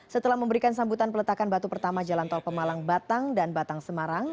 setelah memberikan sambutan peletakan batu pertama jalan tol pemalang batang dan batang semarang